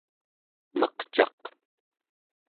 meqcaq